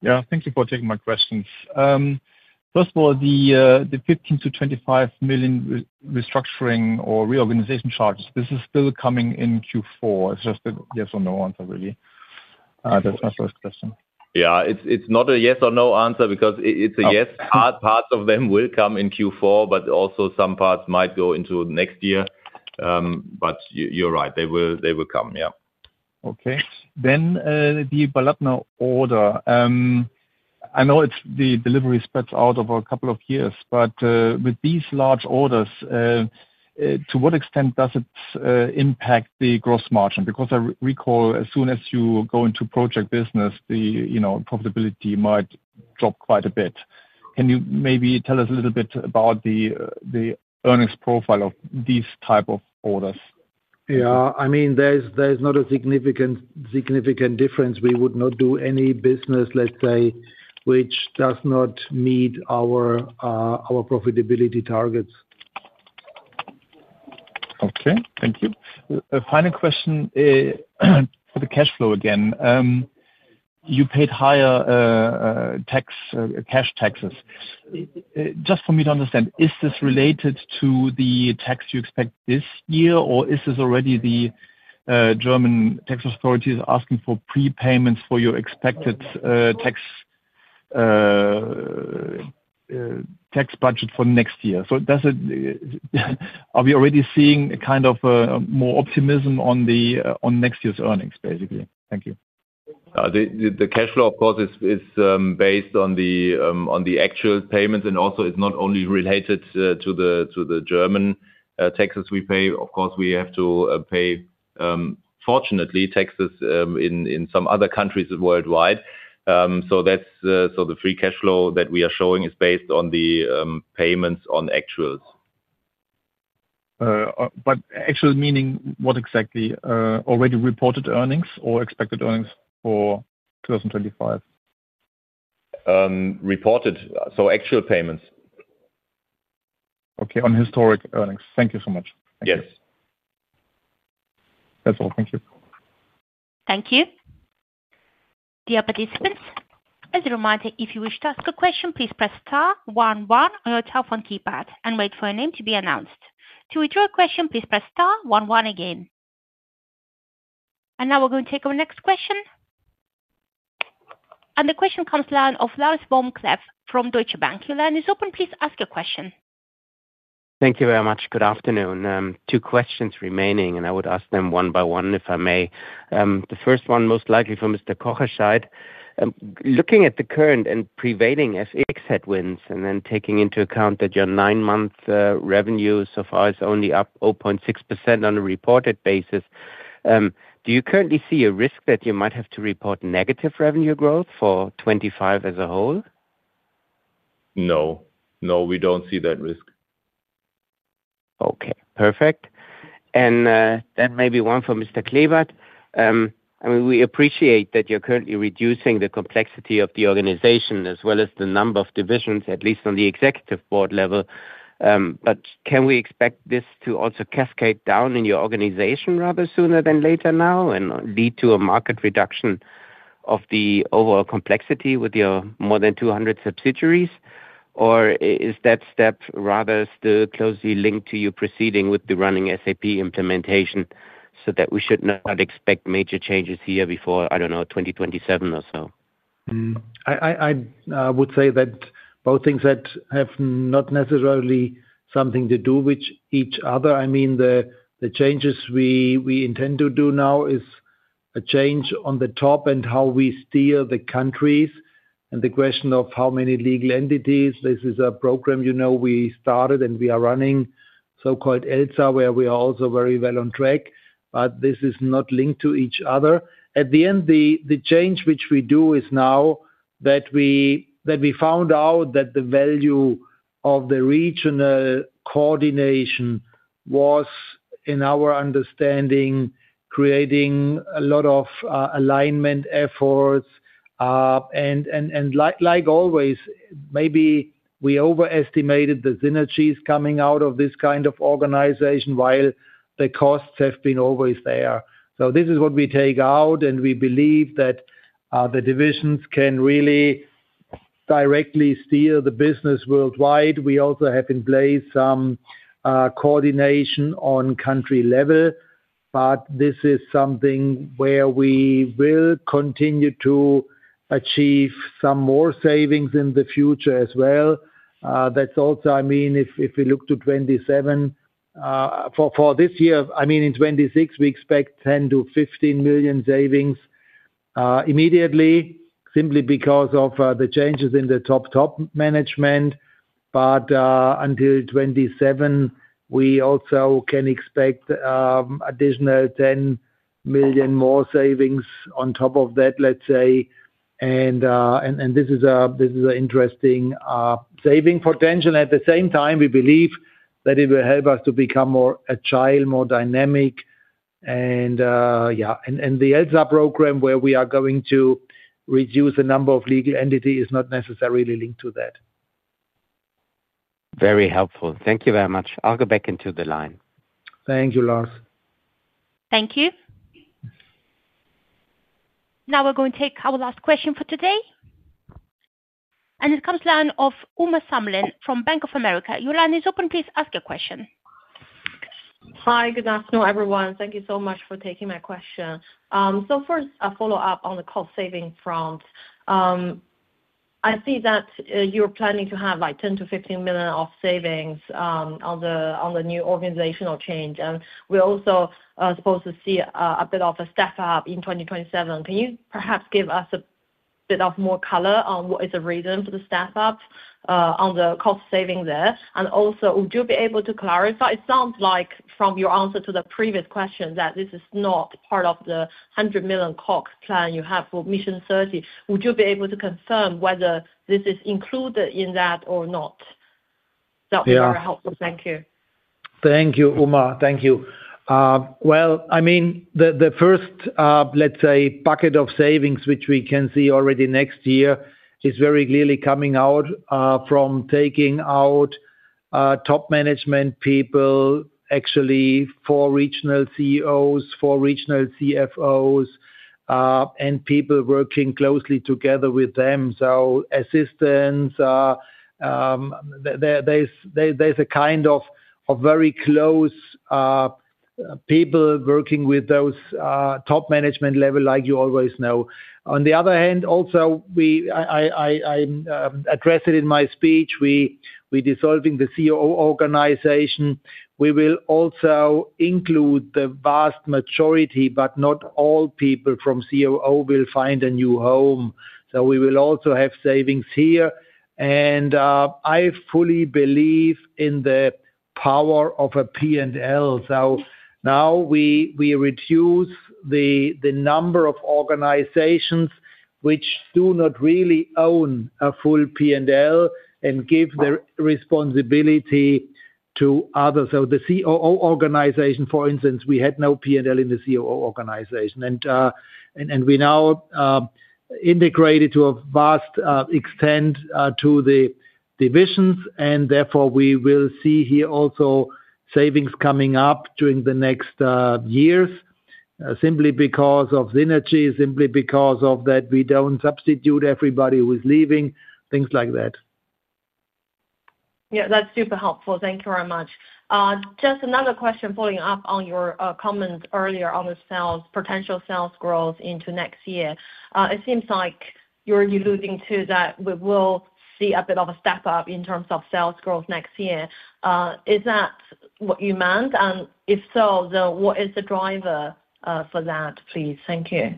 Yeah. Thank you for taking my questions. First of all, the 15-25 million restructuring or reorganization charges, this is still coming in Q4. It's just a yes or no answer, really. That's my first question. Yeah. It's not a yes or no answer because it's a yes. Parts of them will come in Q4, but also some parts might go into next year. But you're right. They will come. Yeah. Okay. Then the Balatna order. I know the delivery spreads out over a couple of years, but with these large orders, to what extent does it impact the gross margin? Because I recall as soon as you go into project business, the profitability might drop quite a bit. Can you maybe tell us a little bit about the earnings profile of these type of orders? Yeah. I mean, there's not a significant difference. We would not do any business, let's say, which does not meet our profitability targets. Okay. Thank you. Final question for the cash flow again. You paid higher cash taxes. Just for me to understand, is this related to the tax you expect this year, or is this already the German tax authorities asking for prepayments for your expected tax budget for next year? Are we already seeing a kind of more optimism on next year's earnings, basically? Thank you. The cash flow, of course, is based on the actual payments, and also it's not only related to the German taxes we pay. Of course, we have to pay, fortunately, taxes in some other countries worldwide. The free cash flow that we are showing is based on the payments on actuals. Actual meaning what exactly? Already reported earnings or expected earnings for 2025? Reported. Actual payments. Okay. On historic earnings. Thank you so much. Thank you. Yes. That's all. Thank you. Thank you. Dear participants, as a reminder, if you wish to ask a question, please press star one one on your telephone keypad and wait for your name to be announced. To withdraw a question, please press star one one again. We are going to take our next question. The question comes to the line of Laris Wormkleff from Deutsche Bank. Your line is open. Please ask your question. Thank you very much. Good afternoon. Two questions remaining, and I would ask them one by one if I may. The first one most likely for Mr. Kocherscheid. Looking at the current and prevailing FX headwinds and then taking into account that your nine-month revenue so far is only up 0.6% on a reported basis, do you currently see a risk that you might have to report negative revenue growth for 2025 as a whole? No. No, we do not see that risk. Okay. Perfect. Maybe one for Mr. Klebert. I mean, we appreciate that you're currently reducing the complexity of the organization as well as the number of divisions, at least on the executive board level. Can we expect this to also cascade down in your organization rather sooner than later now and lead to a market reduction of the overall complexity with your more than 200 subsidiaries? Is that step rather still closely linked to you proceeding with the running SAP implementation so that we should not expect major changes here before, I don't know, 2027 or so? I would say that both things have not necessarily something to do with each other. I mean, the changes we intend to do now is a change on the top and how we steer the countries and the question of how many legal entities. This is a program we started and we are running so-called ELSA, where we are also very well on track, but this is not linked to each other. At the end, the change which we do is now that we found out that the value of the regional coordination was, in our understanding, creating a lot of alignment efforts. Like always, maybe we overestimated the synergies coming out of this kind of organization while the costs have been always there. This is what we take out, and we believe that the divisions can really directly steer the business worldwide. We also have in place some coordination on country level, but this is something where we will continue to achieve some more savings in the future as well. That's also, I mean, if we look to 2027 for this year, I mean, in 2026, we expect 10 million-15 million savings immediately simply because of the changes in the top, top management. Until 2027, we also can expect an additional 10 million more savings on top of that, let's say. This is an interesting saving potential. At the same time, we believe that it will help us to become more agile, more dynamic. Yeah. The ELSA program where we are going to reduce the number of legal entities is not necessarily linked to that. Very helpful. Thank you very much. I'll go back into the line. Thank you, Lars. Thank you. Now we're going to take our last question for today. It comes to the line of Uma Samlin from Bank of America. Your line is open. Please ask your question. Hi. Good afternoon, everyone. Thank you so much for taking my question. First, a follow-up on the cost saving front. I see that you're planning to have like 10 million-15 million of savings on the new organizational change. We're also supposed to see a bit of a staff-up in 2027. Can you perhaps give us a bit more color on what is the reason for the staff-up on the cost saving there? Also, would you be able to clarify? It sounds like from your answer to the previous question that this is not part of the 100 million COGS plan you have for Mission 30. Would you be able to confirm whether this is included in that or not? That would be very helpful. Thank you. Thank you, Uma. Thank you. I mean, the first, let's say, bucket of savings, which we can see already next year, is very clearly coming out from taking out top management people, actually four regional CEOs, four regional CFOs, and people working closely together with them. So assistants, there's a kind of very close people working with those top management level, like you always know. On the other hand, also, I addressed it in my speech, we're dissolving the COO organization. We will also include the vast majority, but not all people from COO will find a new home. We will also have savings here. I fully believe in the power of a P&L. Now we reduce the number of organizations which do not really own a full P&L and give their responsibility to others. The COO organization, for instance, we had no P&L in the COO organization. We now integrate it to a vast extent to the divisions. Therefore, we will see here also savings coming up during the next years simply because of synergy, simply because we do not substitute everybody who is leaving, things like that. Yeah. That is super helpful. Thank you very much. Just another question following up on your comments earlier on the potential sales growth into next year. It seems like you are alluding to that we will see a bit of a step-up in terms of sales growth next year. Is that what you meant? And if so, then what is the driver for that, please? Thank you.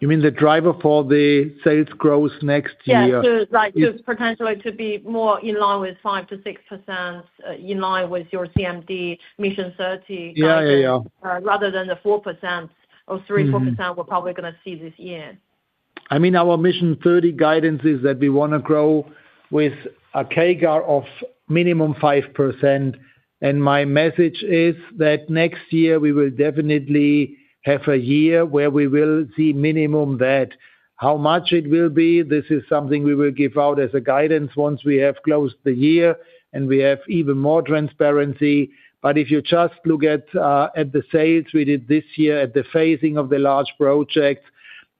You mean the driver for the sales growth next year? Yeah. It's potentially to be more in line with 5-6%, in line with your CMD Mission 30 guidance, rather than the 4% or 3-4% we're probably going to see this year. I mean, our Mission 30 guidance is that we want to grow with a CAGR of minimum 5%. My message is that next year we will definitely have a year where we will see minimum that. How much it will be, this is something we will give out as a guidance once we have closed the year and we have even more transparency. If you just look at the sales we did this year at the phasing of the large projects,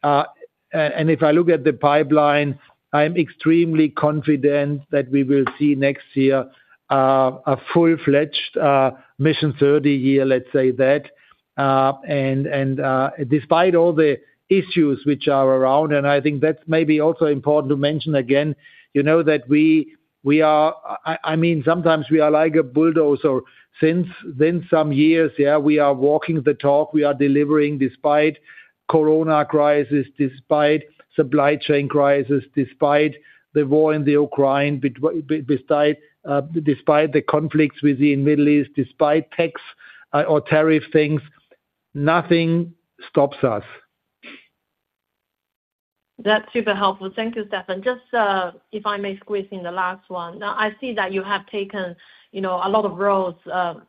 and if I look at the pipeline, I'm extremely confident that we will see next year a full-fledged Mission 30 year, let's say that. Despite all the issues which are around, and I think that's maybe also important to mention again, you know that we are, I mean, sometimes we are like a bulldozer. Since some years, yeah, we are walking the talk. We are delivering despite corona crisis, despite supply chain crisis, despite the war in the Ukraine, despite the conflicts we see in the Middle East, despite tax or tariff things. Nothing stops us. That's super helpful. Thank you, Stefan. Just if I may squeeze in the last one. I see that you have taken a lot of roles,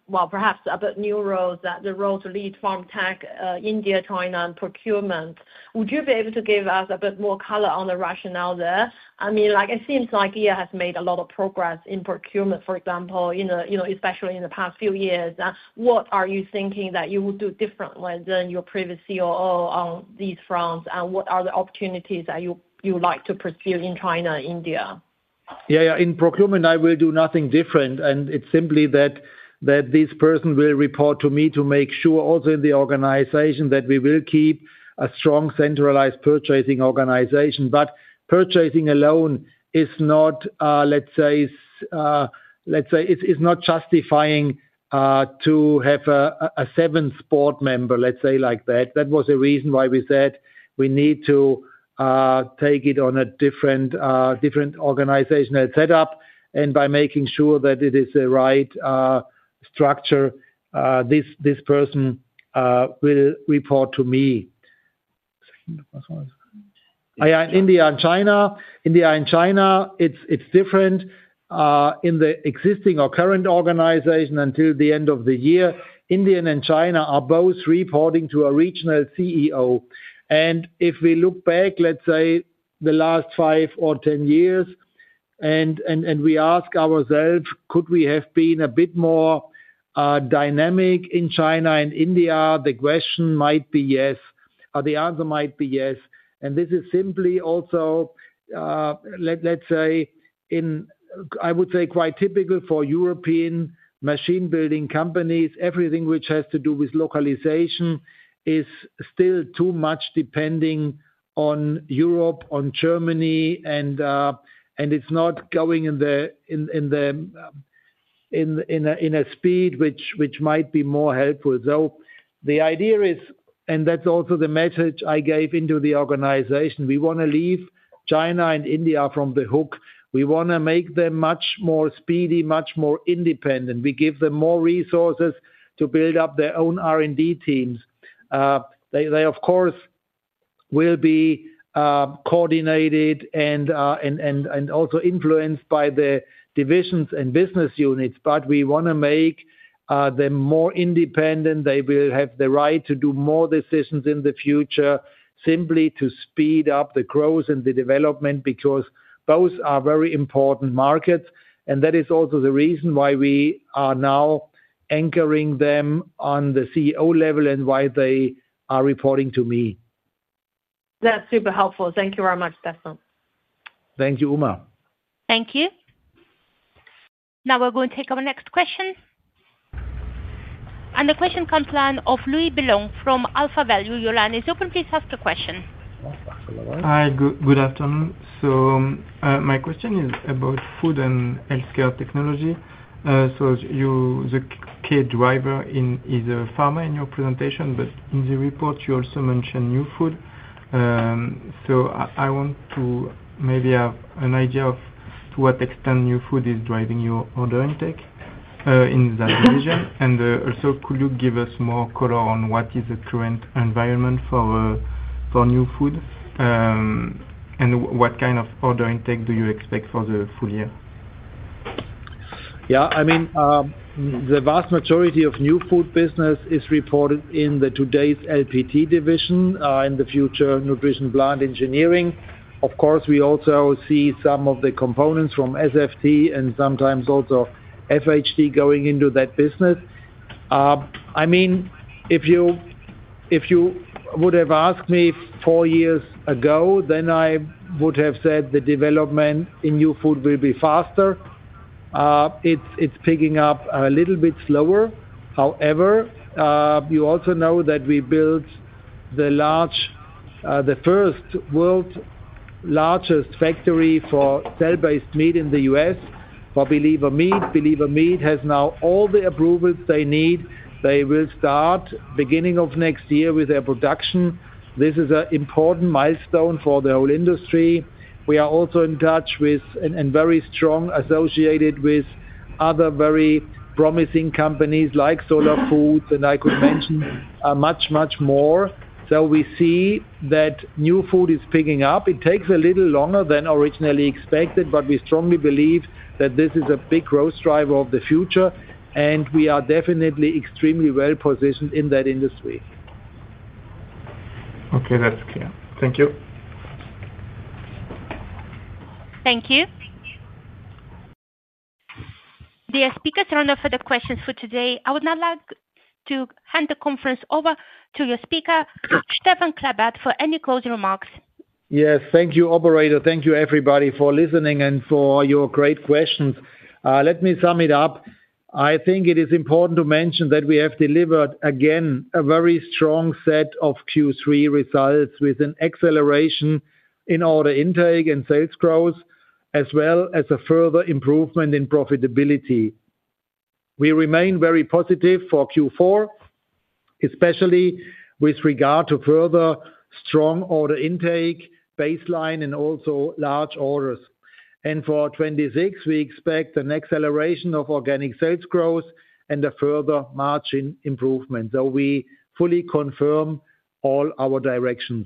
well, perhaps a bit new roles, the role to lead from tech, India, China, and procurement. Would you be able to give us a bit more color on the rationale there? I mean, it seems like GEA has made a lot of progress in procurement, for example, especially in the past few years. What are you thinking that you would do differently than your previous COO on these fronts? What are the opportunities that you like to pursue in China, India? Yeah. Yeah. In procurement, I will do nothing different. It is simply that this person will report to me to make sure also in the organization that we will keep a strong centralized purchasing organization. Purchasing alone is not, let's say, is not justifying to have a seventh board member, let's say like that. That was the reason why we said we need to take it on a different organizational setup. By making sure that it is the right structure, this person will report to me. India and China, it's different. In the existing or current organization until the end of the year, India and China are both reporting to a regional CEO. If we look back, let's say, the last five or ten years, and we ask ourselves, could we have been a bit more dynamic in China and India? The answer might be yes. This is simply also, let's say, I would say quite typical for European machine-building companies. Everything which has to do with localization is still too much depending on Europe, on Germany, and it's not going in a speed which might be more helpful. The idea is, and that's also the message I gave into the organization, we want to leave China and India from the hook. We want to make them much more speedy, much more independent. We give them more resources to build up their own R&D teams. They, of course, will be coordinated and also influenced by the divisions and business units. We want to make them more independent. They will have the right to do more decisions in the future simply to speed up the growth and the development because both are very important markets. That is also the reason why we are now anchoring them on the CEO level and why they are reporting to me. That's super helpful. Thank you very much, Stefan. Thank you, Uma. Thank you. Now we're going to take our next question. The question comes to the line of Louis Belong from Alpha Value. Your line is open. Please ask the question. Hi. Good afternoon. My question is about food and healthcare technology. The KEGART is a pharma in your presentation, but in the report, you also mentioned new food. I want to maybe have an idea of to what extent new food is driving your order intake in that region. Also, could you give us more color on what is the current environment for new food and what kind of order intake you expect for the full year? Yeah. I mean, the vast majority of new food business is reported in today's LPT division, in the future Nutrition Plant Engineering. Of course, we also see some of the components from SFT and sometimes also FHD going into that business. I mean, if you would have asked me four years ago, then I would have said the development in new food will be faster. It's picking up a little bit slower. However, you also know that we built the first world largest factory for cell-based meat in the United States for Believer Meats. Believer Meats has now all the approvals they need. They will start beginning of next year with their production. This is an important milestone for the whole industry. We are also in touch with and very strongly associated with other very promising companies like Solar Foods, and I could mention much, much more. We see that new food is picking up. It takes a little longer than originally expected, but we strongly believe that this is a big growth driver of the future. We are definitely extremely well-positioned in that industry. Okay. That is clear. Thank you. Thank you. The speaker turned over the questions for today. I would now like to hand the conference over to your speaker, Stefan Klebert, for any closing remarks. Yes. Thank you, operator. Thank you, everybody, for listening and for your great questions. Let me sum it up. I think it is important to mention that we have delivered, again, a very strong set of Q3 results with an acceleration in order intake and sales growth, as well as a further improvement in profitability. We remain very positive for Q4, especially with regard to further strong order intake, baseline, and also large orders. For 2026, we expect an acceleration of organic sales growth and a further margin improvement. We fully confirm all our directions.